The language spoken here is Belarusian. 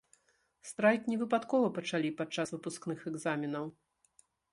Страйк не выпадкова пачалі падчас выпускных экзаменаў.